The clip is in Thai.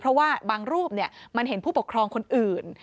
เพราะว่าบางรูปมันเห็นผู้ปกครองคนอื่น